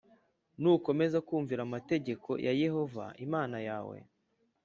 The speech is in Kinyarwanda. nukomeza kumvira amategeko+ ya yehova imana yawe